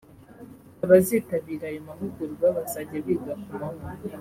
Abazitabira ayo mahugurwa bazajya biga kumanywa